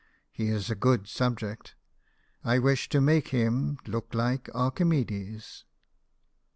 He is a good subject. I wish to make him look like an Archimedes."